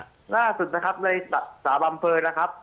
ล่าสุดนะครับในสาวลำเภยนะครับ